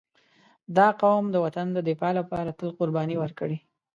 • دا قوم د وطن د دفاع لپاره تل قرباني ورکړې.